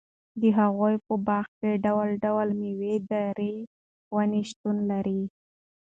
د هغوي په باغ کي ډول٬ډول ميوه داري وني شتون لري